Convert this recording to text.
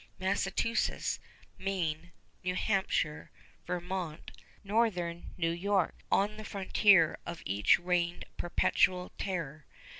Massachusetts, Maine, New Hampshire, Vermont, northern New York, on the frontier of each reigned perpetual terror.